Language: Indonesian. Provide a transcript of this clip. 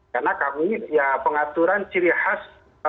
karena kami pengaturan ciri khas